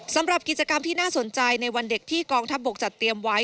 สำหรับกิจกรรมที่น่าสนใจในวันเด็กที่กองทัพบกจัดเตรียมไว้